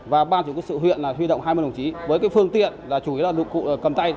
và ban chủ quân sự huyện là huy động hai mươi đồng chí với phương tiện là chủ yếu là đội cụ cầm tay